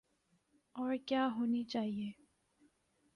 اورکیا ہونی چاہیے۔